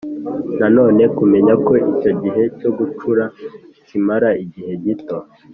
Nanone kumenya ko icyo gihe cyo gucura kimara igihe gito